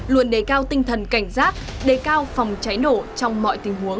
luôn đề cao tinh thần cảnh giác đề cao phòng cháy nổ trong mọi tình huống